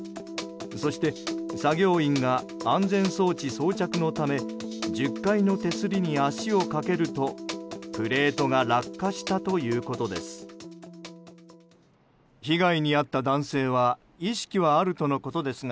そして、作業員が安全装置装着のため１０階の手すりに足をかけるとプレートが落下したということです。